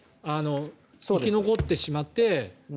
生き残ってしまって。